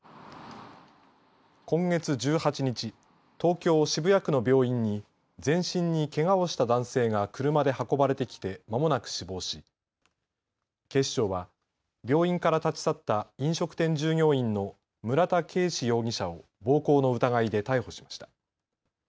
今月１８日、東京渋谷区の病院に全身にけがをした男性が車で運ばれてきてまもなく死亡し警視庁は病院から立ち去った飲食店従業員の村田圭司容疑者を暴行の疑いで逮捕しました。